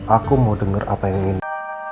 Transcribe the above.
aku mau denger apa yang ini